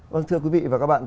vâng thưa quý vị và các bạn